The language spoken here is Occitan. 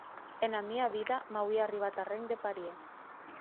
Ena mia vida m’auie arribat arren de parièr.